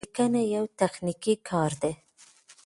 نوملیکنه یو تخنیکي کار دی.